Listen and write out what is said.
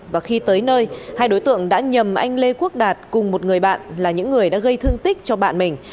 và khi tới nơi hai đối tượng đã nhầm anh lê quốc đạt cùng một người bạn là những người đã gây thương tích cho bạn mình